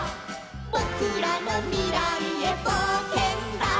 「ぼくらのみらいへぼうけんだ」